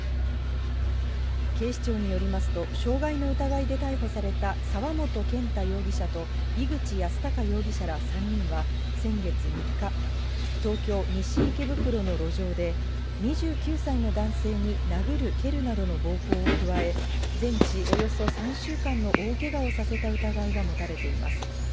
警視庁によりますと、傷害の疑いで逮捕された沢本健太容疑者と、井口やすたか容疑者ら３人は先月３日、東京・西池袋の路上で、２９歳の男性に殴る蹴るなどの暴行を加え、全治およそ３週間の大けがをさせた疑いが持たれています。